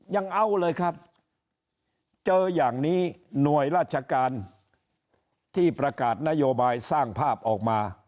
ยังเอาเลยครับเจออย่างนี้หน่วยราชการที่ประกาศนโยบายสร้างภาพออกมา